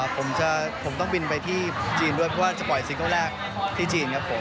ผมต้องบินไปที่จีนด้วยเพราะว่าจะปล่อยซิงเกิลแรกที่จีนครับผม